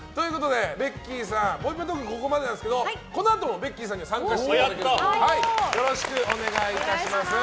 ベッキーさん、ぽいぽいトークはここまでなんですけどこのあともベッキーさんには参加していただけるということでよろしくお願いします。